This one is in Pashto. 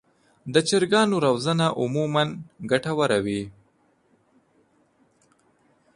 د چرګانو روزنه عموماً ګټه وره وي.